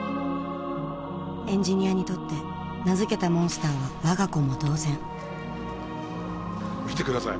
エンジニアにとって名付けたモンスターは我が子も同然見て下さい。